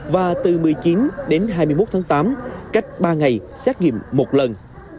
và từ một mươi chín đến hai mươi một tháng tám cách ba ngày xét nghiệm một lần